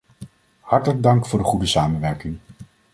Hartelijk dank voor de goede samenwerking.